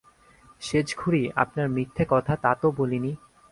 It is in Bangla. সেজখুড়ি, আপনার মিথ্যে কথা তা তো বলিনি!